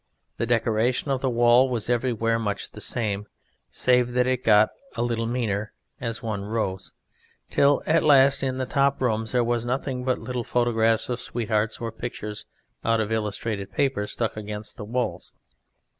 The decoration of the wall was everywhere much the same, save that it got a little meaner as one rose, till at last, in the top rooms of all, there was nothing but little photographs of sweethearts or pictures out of illustrated papers stuck against the walls.